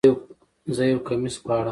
زه یو کمیس غواړم